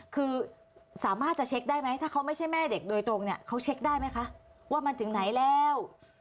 คือสามารถจะเช็คได้ไหมถ้าเขาไม่ใช่แม่เด็กโดยตรงเนี่ยเขาเช็คได้ไหมคะว่ามันถึงไหนแล้ว